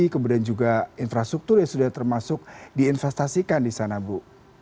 kemudian juga infrastruktur yang sudah termasuk diinvestasikan di sana bu